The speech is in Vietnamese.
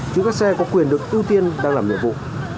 chủ các xe có quyền được ưu tiên đang làm nhiệm vụ